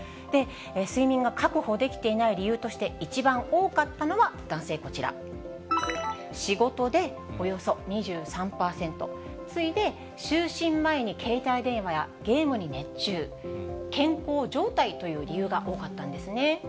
睡眠が確保できていない理由として、一番多かったのは男性、こちら、仕事でおよそ２３％、次いで就寝前に携帯電話やゲームに熱中、健康状態という理由が多かったんですね。